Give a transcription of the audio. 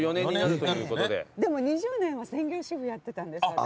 でも２０年は専業主婦やってたんです私。